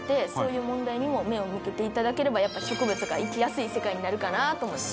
そういう問題にも目を向けていただければやっぱり植物が生きやすい世界になるかなと思います。